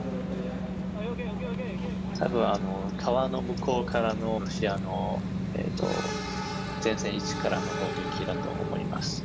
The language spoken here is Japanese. たぶん、川の向こうからのロシアの前線位置からの砲撃だと思います。